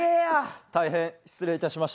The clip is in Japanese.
大変失礼いたしました。